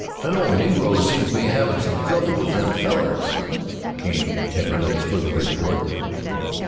"That old nigger seems to be havin' some trouble with them fellers," came Taterleg's further report.